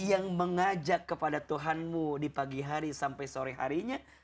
yang mengajak kepada tuhanmu di pagi hari sampai sore harinya